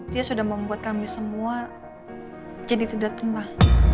dia sudah membuat kami semua jadi tidak tumbuh